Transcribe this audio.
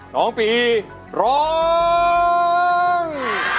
น้องปีร้อง